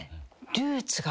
ルーツが。